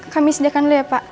kami sediakan dulu ya pak